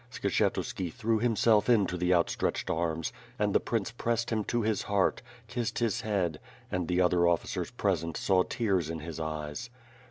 Skshetuski threw himself into the out stretched arms and the prince pressed him to his heart, kissed his head — and the other officers present saw tears in his eyes.